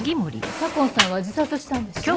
左紺さんは自殺したんでしょ？